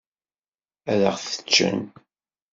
Ad aɣ-t-ččen.